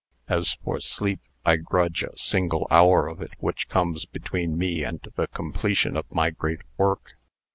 As for sleep, I grudge a single hour of it which comes between me and the completion of my great work."